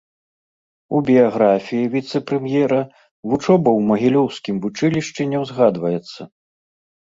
У біяграфіі віцэ-прэм'ера вучоба ў магілёўскім вучылішчы не ўзгадваецца.